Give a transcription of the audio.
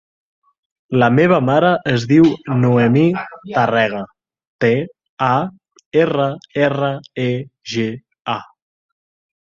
La meva mare es diu Noemí Tarrega: te, a, erra, erra, e, ge, a.